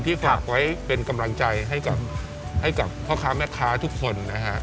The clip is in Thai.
ฝากไว้เป็นกำลังใจให้กับพ่อค้าแม่ค้าทุกคนนะฮะ